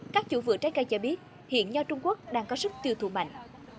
các chủ vừa trái cây cho biết hiện nho trung quốc đang có sức tiêu thủ mạnh